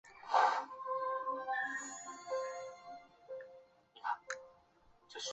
身为后辈的我们